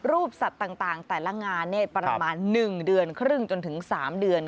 รูปสัตว์ต่างแต่ละงานประมาณ๑เดือนครึ่งจนถึง๓เดือน